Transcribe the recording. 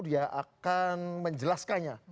dia akan menjelaskannya